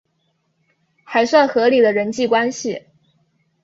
还算合理的人际关系